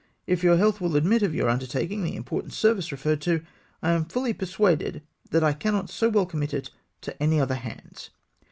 If your health will admit of your undertaking the important service referred to, I am fully persuaded that I cannot so well commit it to any other hands.